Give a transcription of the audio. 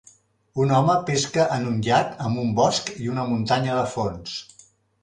Un home pesca en un llac amb un bosc i una muntanya de fons.